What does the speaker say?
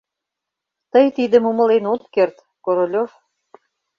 Тый тидым умылен от керт, Королёв...